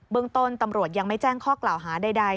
เรื่องต้นตำรวจยังไม่แจ้งข้อกล่าวหาใด